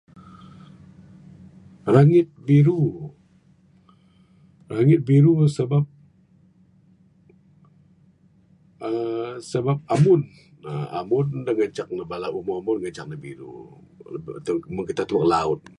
Rangit biru. Rangit biru sebab uhh sebab ambun uhh ambun da ngancak ne bala umo umo da ngancak ne biru. Mung kitak tebuk laut.